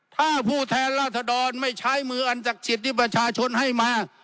ถ้าผู้แทนราษดรไม่ใช้มืออันศักดิ์สิทธิ์ที่ประชาชนให้มา